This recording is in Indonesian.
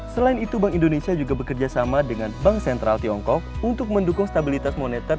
selain itu bank indonesia juga bekerja sama dengan bank sentral tiongkok untuk mendukung stabilitas moneter